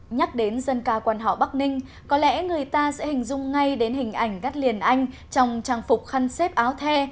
nhắc đến dân ca quan họ bắc ninh có lẽ người ta sẽ hình dung ngay đến hình ảnh đất liền anh trong trang phục khăn xếp áo the